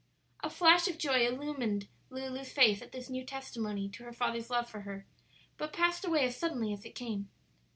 A flash of joy illumined Lulu's face at this new testimony to her father's love for her, but passed away as suddenly as it came.